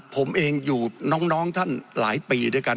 ผมเองอยู่น้องท่านหลายปีด้วยกัน